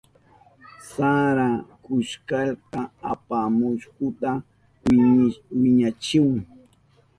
Sara kustalka apamuhukta winsihun.